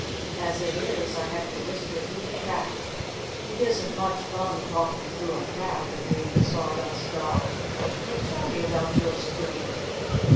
As it is, I have to whisper through the crack." "It isn't much fun talking through a crack," agreed the Sawdust Doll. "But tell me about your spring."